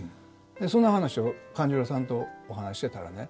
その話を勘十郎さんとお話ししてたらね